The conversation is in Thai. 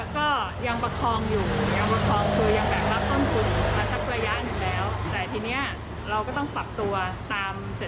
ความเงินอยู่มันจะยิ่งอยู่ยากขึ้น